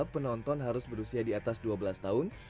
penonton harus berusia di atas dua belas tahun